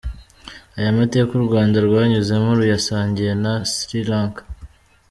Aya mateka u Rwanda rwanyuzemo ruyasangiye na Sri-Lanka .